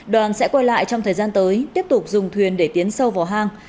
đoàn sẽ quay lại trong thời gian tới tiếp tục dùng thuyền để tiến sâu vào hang